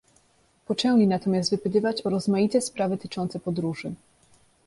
Poczęli natomiast wypytywać o rozmaite sprawy tyczące podróży.